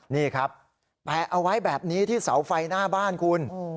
นี่ครับแปะเอาไว้แบบนี้ที่เสาไฟหน้าบ้านคุณ